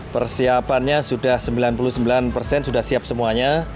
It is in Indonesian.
persiapannya sudah sembilan puluh sembilan persen sudah siap semuanya